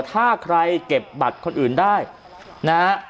ถ้าใครเก็บบัตรคนอื่นได้นะฮะ